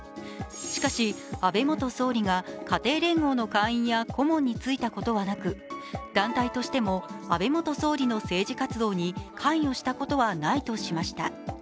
しかし、安倍元総理が家庭連合の会員や顧問に就いたことはなく、団体としても安倍元総理の政治活動に関与したことはないとしました。